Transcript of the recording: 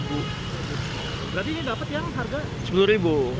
berarti ini dapat yang harga rp sepuluh